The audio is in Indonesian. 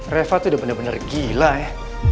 reva tuh udah bener bener gila ya